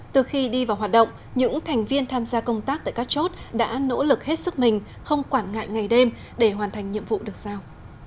từ khi đi vào hoạt động những thành viên tham gia công tác tại các chốt đã nỗ lực hết sức mình không quản ngại ngày đêm để hoàn thành nhiệm vụ được sao